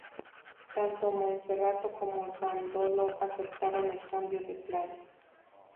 Tanto Monferrato como Dandolo aceptaron el cambio de planes.